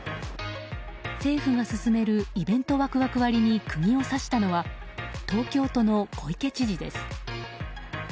政府が進めるイベントワクワク割に釘を刺したのは東京都の小池知事です。